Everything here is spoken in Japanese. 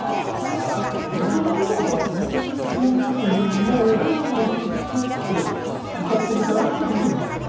もともとだから「私はピアノ」というのを最初にふっと歌ってみたらっていうことで歌った？